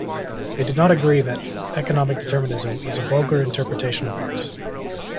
They did not agree that economic determinism was a vulgar interpretation of Marx.